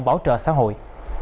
bảo trợ xã hội